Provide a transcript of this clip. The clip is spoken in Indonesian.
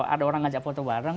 ada orang ngajak foto bareng